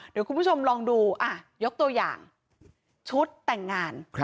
เดี๋ยวคุณผู้ชมลองดูยกตัวอย่างชุดแต่งงาน